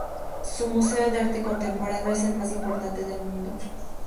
Su museo de arte contemporáneo es el más importante del mundo.